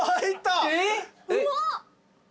うまっ。